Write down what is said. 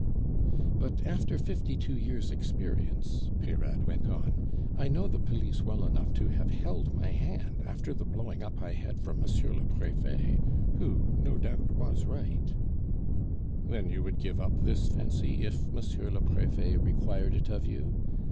"But after fifty two years' experience," Peyrade went on, "I know the police well enough to have held my hand after the blowing up I had from Monsieur le Prefet, who, no doubt, was right " "Then you would give up this fancy if Monsieur le Prefet required it of you?